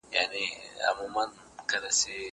زه هره ورځ سپينکۍ پرېولم!؟